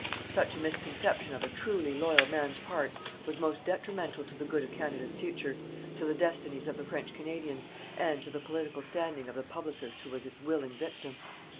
Such a misconception of a truly loyal man's part was most detrimental to the good of Canada's future, to the destinies of the French Canadians, and to the political standing of the publicist who was its willing victim.